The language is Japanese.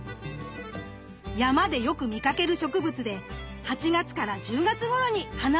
山でよく見かける植物で８月から１０月ごろに花を咲かせます。